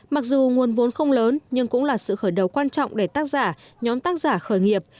mặc dù nguồn vốn không lớn nhưng cũng là sự khởi đầu quan trọng để tác giả nhóm tác giả khởi nghiệp